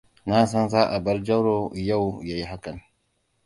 Na san za a bar Jauro yau ya yi hakan.